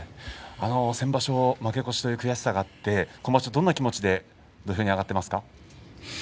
先場所負け越しという悔しさが今場所どんな気持ちで土俵に上がっていますか？